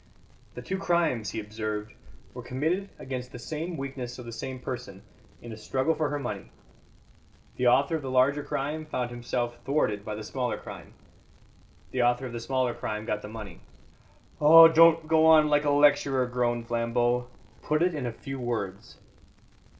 "The two crimes," he observed, "were committed against the same weakness of the same person, in a struggle for her money. The author of the larger crime found himself thwarted by the smaller crime; the author of the smaller crime got the money." "Oh, don't go on like a lecturer," groaned Flambeau; "put it in a few words."